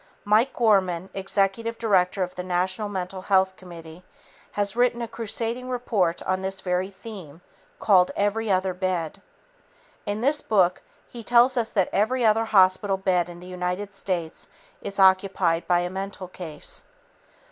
Mike Gorman, executive director of the National Mental Health Committee, has written a crusading report on this very theme called Every Other Bed. In this book he tells us that every other hospital bed in the United States is occupied by a mental case.